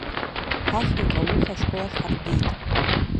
Ҳахҩык ауха ашкол ахь ҳаргеит.